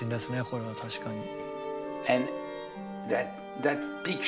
これは確かに。